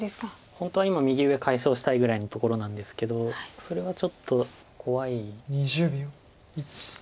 本当は今右上解消したいぐらいのところなんですけどそれはちょっと怖いかもしれないです。